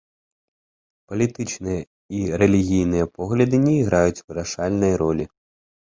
Палітычныя і рэлігійныя погляды не іграюць вырашальнай ролі.